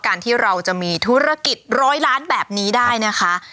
การที่เราจะมีธุรกิจร้อยล้านแบบนี้ได้นะคะ